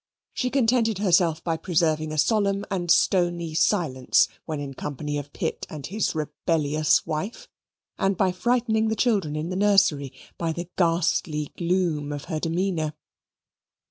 She contented herself by preserving a solemn and stony silence, when in company of Pitt and his rebellious wife, and by frightening the children in the nursery by the ghastly gloom of her demeanour.